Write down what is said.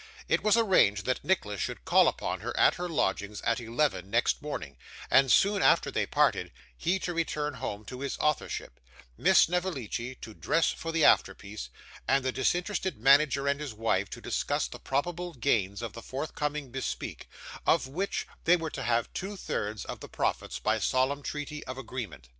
It was arranged that Nicholas should call upon her, at her lodgings, at eleven next morning, and soon after they parted: he to return home to his authorship: Miss Snevellicci to dress for the after piece: and the disinterested manager and his wife to discuss the probable gains of the forthcoming bespeak, of which they were to have two thirds of the profits by solemn treaty of agreement.